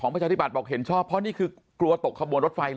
เปิดเห็นชอบเพราะนี่คือกลัวตกขบวนรสไฟ